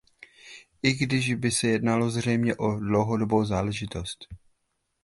I když by se jednalo zřejmě o dlouhodobou záležitost.